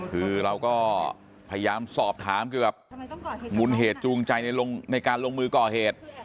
คือเราก็พยายามสอบถามเกี่ยวกับมูลเหตุจูงใจในการลงมือก่อเหตุ